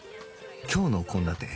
今日の献立